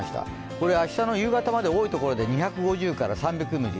これは明日の夕方多いところで、２５０から３００ミリ